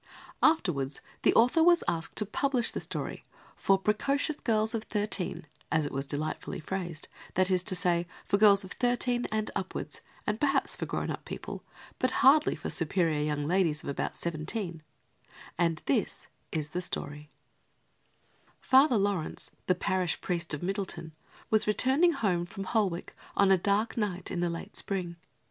Afterwards the author was asked to publish the story "for precocious girls of thirteen," as it was delightfully phrased; that is to say, for girls of thirteen and upwards and perhaps for grown up people, but hardly for superior young ladies of about seventeen; and this is the story: Father Laurence, the parish priest of Middleton, was returning home from Holwick on a dark night in the late spring.